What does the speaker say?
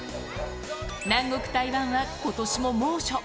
南国、台湾はことしも猛暑。